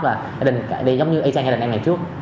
và gia đình đi giống như y chang gia đình em ngày trước